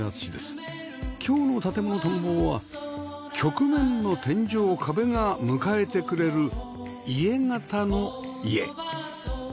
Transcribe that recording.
今日の『建もの探訪』は曲面の天井・壁が迎えてくれるイエ型の家